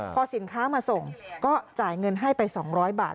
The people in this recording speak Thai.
พอสินค้ามาส่งก็จ่ายเงินให้ไป๒๐๐บาท